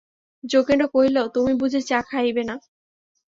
যোগেন্দ্র কহিল, তুমি বুঝি চা খাইবে না?